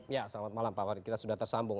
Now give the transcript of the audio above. ya selamat malam pak warid kita sudah tersambung